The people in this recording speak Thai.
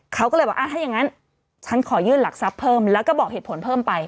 เขาก็เลยบอกถ้าอย่างนั้นฉันขอยื่นหลักทรัพย์เพิ่มแล้วก็บอกเหตุผลเพิ่มไป